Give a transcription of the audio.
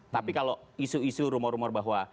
tapi kalau isu isu rumor rumor bahwa